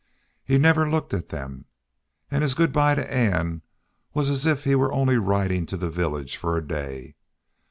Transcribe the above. He never looked at them. And his good by to Ann was as if he were only riding to the village for a day.